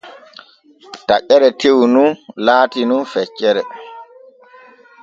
Taƴeere tew nu laati nun feccere.